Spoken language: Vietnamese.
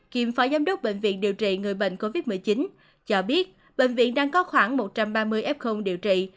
kiêm phó giám đốc bệnh viện điều trị người bệnh covid một mươi chín cho biết bệnh viện đang có khoảng một trăm ba mươi f điều trị